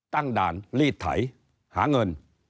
ตั้งด่านลีดไถหาเงิน